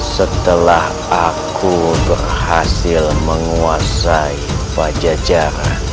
setelah aku berhasil menguasai pajajaran